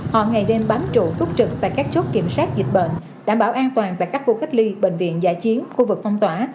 họ ngày đêm bám trụ túc trực tại các chốt kiểm soát dịch bệnh đảm bảo an toàn tại các khu cách ly bệnh viện giả chiến khu vực phong tỏa